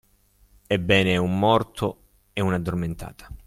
Ebbene, un morto e un'addormentata.